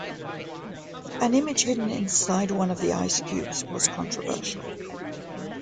An image hidden inside one of the ice cubes was controversial.